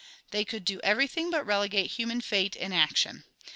They could do everything but regulate human fate and action.